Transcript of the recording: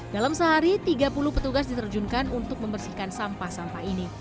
dalam sehari tiga puluh petugas diterjunkan untuk membersihkan sampah sampah ini